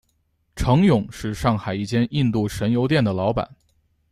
程勇是上海一间印度神油店的老板。